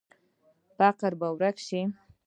فقر به ورک شي؟